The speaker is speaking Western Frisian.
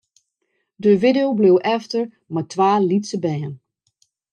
De widdo bleau efter mei twa lytse bern.